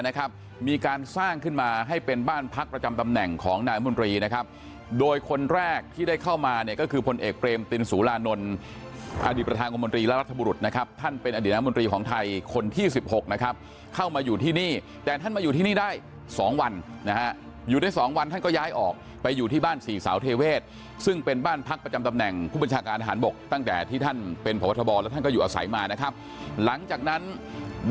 อดีตประธานกรมนตรีรัฐบุรุษนะครับท่านเป็นอดีตนามนตรีของไทยคนที่๑๖นะครับเข้ามาอยู่ที่นี่แต่ท่านมาอยู่ที่นี่ได้๒วันนะฮะอยู่ได้๒วันท่านก็ย้ายออกไปอยู่ที่บ้านสี่สาวเทเวศซึ่งเป็นบ้านพักประจำตำแหน่งผู้บัญชาการอาหารบกตั้งแต่ที่ท่านเป็นพระวัฒนบอลและท่านก็อยู่อาศัยมานะครับหลังจากนั้นบ